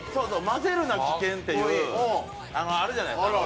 「まぜるな危険」っていうあるじゃないですか。